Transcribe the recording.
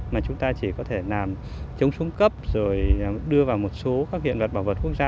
mà chúng ta chỉ có thể làm chống xuống cấp rồi đưa vào một số các hiện vật bảo vật quốc gia